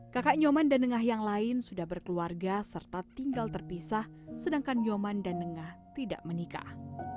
kakak nyoman dan nengah yang lain sudah berkeluarga serta tinggal terpisah sedangkan nyoman dan nengah tidak menikah